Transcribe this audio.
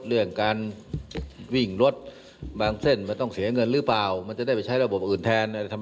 เรื่องการวิ่งรถบางเส้นมันต้องเสียเงินหรือเปล่ามันจะได้ไปใช้ระบบอื่นแทนอะไรทำ